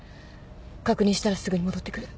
確認したらすぐに戻ってくる。